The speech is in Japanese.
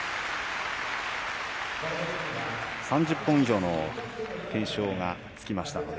３０本以上の懸賞がつきました。